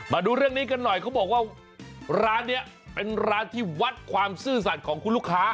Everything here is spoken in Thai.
มาดูเรื่องนี้กันหน่อยเขาบอกว่าร้านนี้เป็นร้านที่วัดความซื่อสัตว์ของคุณลูกค้า